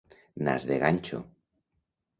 Nas de ganxo.